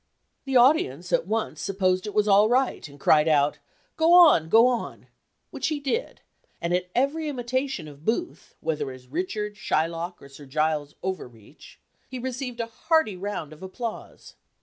The audience at once supposed it was all right, and cried out, "go on, go on"; which he did, and at every imitation of Booth, whether as Richard, Shylock, or Sir Giles Overreach, he received a hearty round of applause.